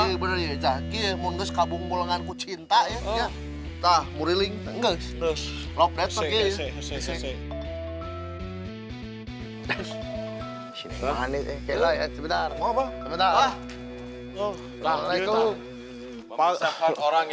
ienia jahit munges sama mengandalku cintai coh tak moeailing nge psgok besok